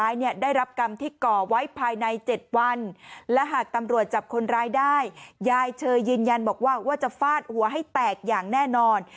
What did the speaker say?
ยายเชยยืนยันบอกว่าว่าจะฟาดหัวให้แตกอย่างแน่นอน